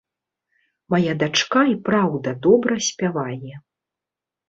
Мая дачка, і праўда, добра спявае.